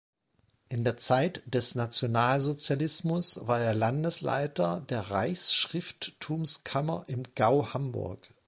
In der Zeit des Nationalsozialismus war er Landesleiter der Reichsschrifttumskammer im „Gau Hamburg“.